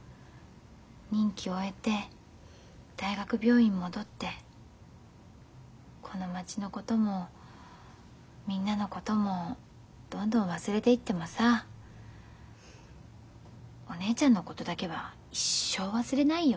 任期を終えて大学病院戻ってこの町のこともみんなのこともどんどん忘れていってもさお姉ちゃんのことだけは一生忘れないよ。